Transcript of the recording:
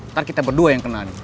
ntar kita berdua yang kenal nih